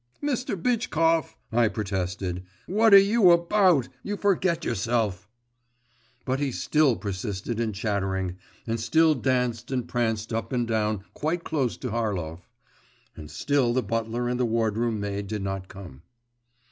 'Mr. Bitchkov,' I protested. 'What are you about? you forget yourself.' But he still persisted in chattering, and still danced and pranced up and down quite close to Harlov. And still the butler and the wardroom maid did not come.